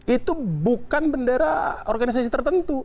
itu bukan bendera organisasi tertentu